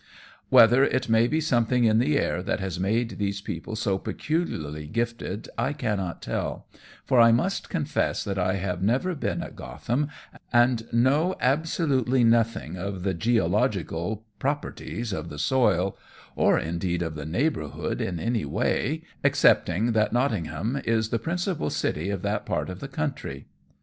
Whether it may be something in the air that has made these people so peculiarly gifted I cannot tell, for I must confess that I have never been at Gotham, and know absolutely nothing of the geological properties of the soil, or indeed of the neighbourhood in any way, excepting that Nottingham is the principal city of that part of the country.